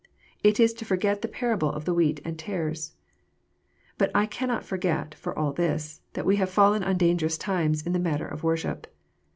It is to forget the parable of the wheat and tares. But I cannot forget, for all this, that we have fallen on dangerous times in the matter of worship.